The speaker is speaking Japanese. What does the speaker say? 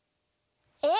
えっ？